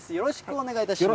お願いします。